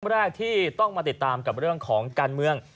แรกที่ต้องมาติดตามกับเรื่องของการเมือง